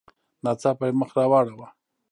ناڅاپه یې مخ را واړاوه.